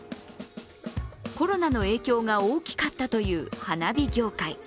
コロナの影響が大きかったという花火業界。